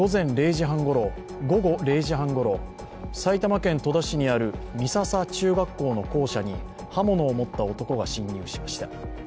午後０時半ごろ、埼玉県戸田市にある美笹中学校の校舎に刃物を持った男が侵入しました。